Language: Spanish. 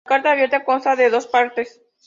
La carta abierta consta de dos partes.